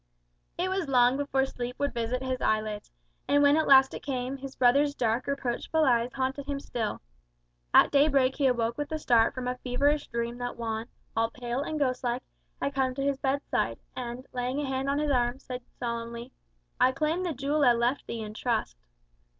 It was long before sleep would visit his eyelids; and when at last it came, his brother's dark reproachful eyes haunted him still. At daybreak he awoke with a start from a feverish dream that Juan, all pale and ghostlike, had come to his bedside, and laying his hand on his arm, said solemnly, "I claim the jewel I left thee in trust."